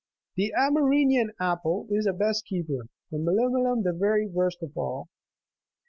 The Amerinian apple is the best keeper, the melimelum the very worst of all. • (17.)